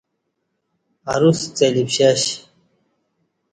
اروس کڅہ لی پشش